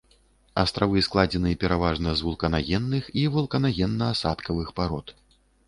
Астравы складзены пераважна з вулканагенных і вулканагенна-асадкавых парод.